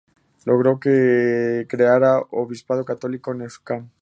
Logró que se creara un obispado católico en Osnabrück.